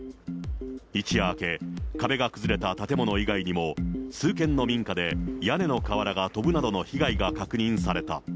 一夜明け、壁が崩れた建物以外にも、数軒の民家で屋根の瓦が飛ぶなどの被害が確認された。